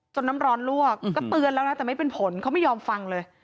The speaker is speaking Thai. น้ำร้อนลวกก็เตือนแล้วนะแต่ไม่เป็นผลเขาไม่ยอมฟังเลย